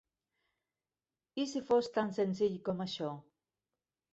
I si fos tan senzill com això?